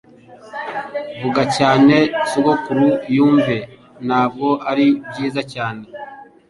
Vuga cyane Sogokuru yumva ntabwo ari byiza cyane